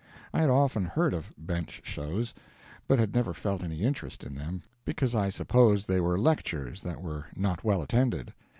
I had often heard of bench shows, but had never felt any interest in them, because I supposed they were lectures that were not well attended.